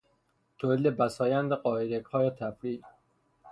تولید بسایند قایقهای تفریحی